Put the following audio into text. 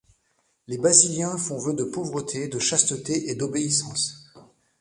Les Basiliens font vœu de pauvreté, de chasteté et d'obéissance.